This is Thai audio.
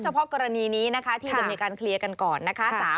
เพาะกรณีนี้นะคะที่จะมีการเคลียร์กันก่อนนะคะ